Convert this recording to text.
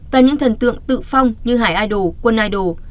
và những thần tượng tự phong như hải idol quân idol